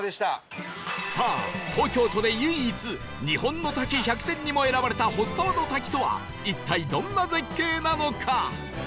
さあ東京都で唯一日本の滝１００選にも選ばれた払沢の滝とは一体どんな絶景なのか？